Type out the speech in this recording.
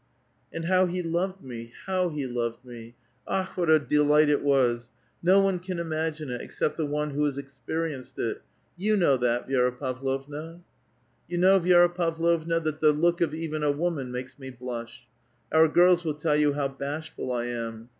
'* And how he loved me ! how he loved me ! Akh! what a delight it was ! No one can imagine it, except the one who has experienced it. You know that, Vi^ra Pavlovna ! You know, Vi^ra Pavlovna, that the look of even a woman makes me blush ; our girls will tell you how bashful I am.